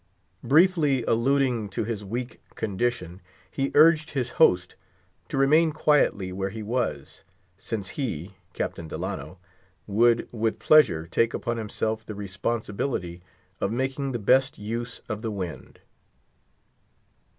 Briefly alluding to his weak condition, he urged his host to remain quietly where he was, since he (Captain Delano) would with pleasure take upon himself the responsibility of making the best use of the wind.